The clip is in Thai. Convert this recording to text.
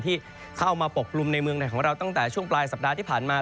ที่เข้ามาปกกลุ่มในเมืองไหนของเราตั้งแต่ช่วงปลายสัปดาห์ที่ผ่านมา